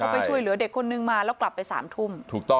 ไปช่วยเหลือเด็กคนนึงมาแล้วกลับไป๓ทุ่ม